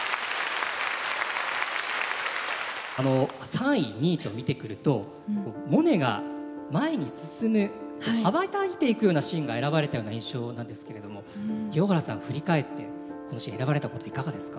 あの３位２位と見てくるとモネが前に進む羽ばたいていくようなシーンが選ばれたような印象なんですけれども清原さん振り返ってこのシーン選ばれたこといかがですか？